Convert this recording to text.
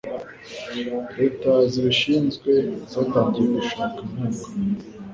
leta zibishinzwe zatangiye gushaka inkunga